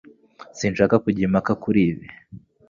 Sinshaka kujya impaka kuri ibi